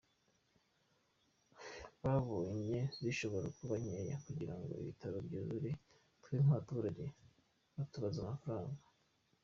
Babonye zishobora kuba nkeya kugira ngo ibitaro byuzure, twebwe nk’abaturage batubaza amafaranga.